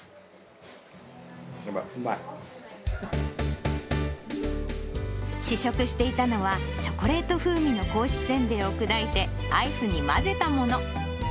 やばい、うまい。試食していたのは、チョコレート風味の格子煎餅を砕いて、アイスに混ぜたもの。